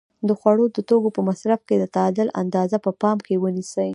د خوړو د توکو په مصرف کې د تعادل اندازه په پام کې ونیسئ.